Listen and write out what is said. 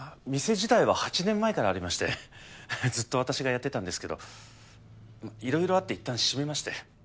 店自体は８年前からありましてずっと私がやっていたんですけどいろいろあっていったん閉めまして。